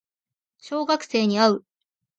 小学生に会う